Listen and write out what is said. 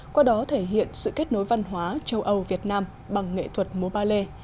qua đó thể hiện sự kết nối văn hóa châu âu việt nam bằng nghệ thuật múa ba lê